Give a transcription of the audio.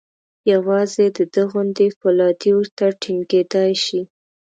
یوازې د ده غوندې فولادي ورته ټینګېدای شي.